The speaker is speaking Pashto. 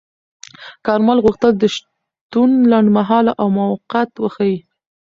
کارمل غوښتل د شتون لنډمهاله او موقت وښيي.